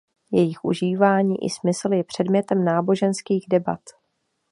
Jejich užívání i smysl je předmětem náboženských debat.